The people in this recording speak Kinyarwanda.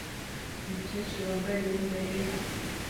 Umukecuru wambaye imyenda yera